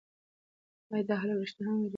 ایا دا هلک رښتیا هم وېرېدلی و؟